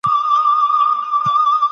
هغه وویل چي زما جامه په هغه کوټې کي ده.